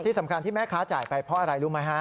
ที่สำคัญที่แม่ค้าจ่ายไปเพราะอะไรรู้ไหมฮะ